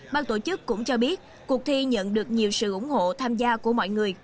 ban tổ chức cũng cho biết cuộc thi nhận được nhiều sự ủng hộ tham gia của mọi người